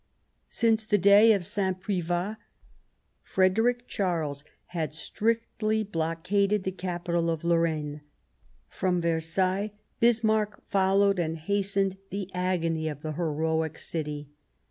Since 143 The War of 1870 the day of St. Privat, Frederick Charles had strictly blockaded the capital of Lorraine. From Versailles Bismarck followed and hastened the agony of the heroic city.